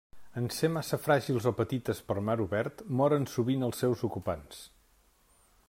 En ser massa fràgils o petites per mar obert, moren sovint els seus ocupants.